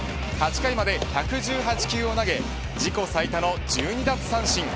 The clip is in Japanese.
８回まで１１８球を投げ自己最多の１２奪三振。